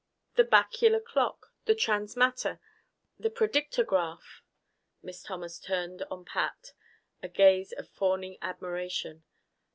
The bacular clock, the transmatter, the predictograph " Miss Thomas turned on Pat a gaze of fawning admiration.